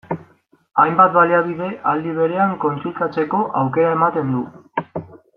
Hainbat baliabide aldi berean kontsultatzeko aukera ematen du.